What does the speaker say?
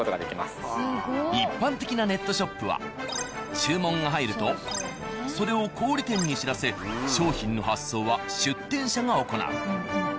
一般的なネットショップは注文が入るとそれを小売店に知らせ商品の発送は出店者が行う。